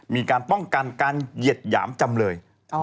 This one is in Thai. มีการป้องกันการเหยียดหยามจำเลย